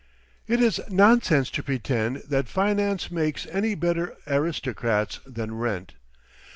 It is nonsense to pretend that finance makes any better aristocrats than rent.